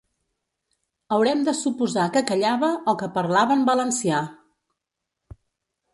Haurem de suposar que callava o que parlava en valencià.